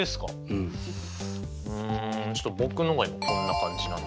うんちょっと僕のがこんな感じなんですけど。